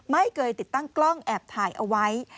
ไม่เคยติดตั้งกล้องแอบถ่ายเอาไว้